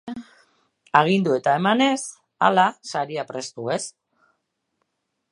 Agindu eta eman ez; hala, saria prestu ez.